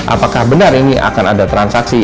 apakah benar ini akan ada transaksi